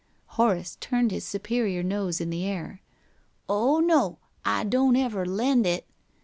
Horace turned his superior nose in the air. "Oh no! I don't ever lend it."